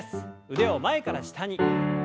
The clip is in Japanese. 腕を前から下に。